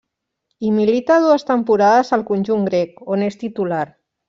Hi milita dues temporades al conjunt grec, on és titular.